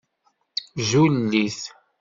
Zul-it!